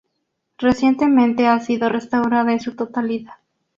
Recientemente ha sido restaurada en su totalidad.